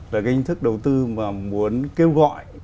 là cái hình thức đầu tư mà muốn kêu gọi